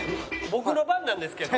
僕の番なんですけど。